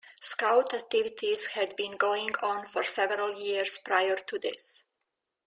Scout activities had been going on for several years prior to this.